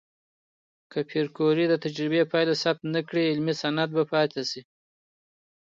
که پېیر کوري د تجربې پایله ثبت نه کړي، علمي سند به پاتې نشي.